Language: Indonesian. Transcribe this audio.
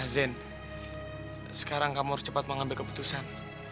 zen sekarang kamu harus cepat mengambil keputusan